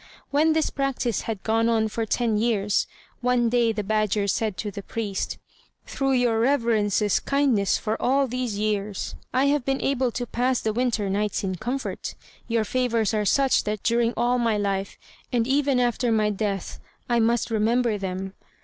When this practice had gone on for ten years, one day the badger said to the priest, "Through your reverence's kindness for all these years, I have been able to pass the winter nights in comfort. Your favours are such that during all my life, and even after my death, I must remember them.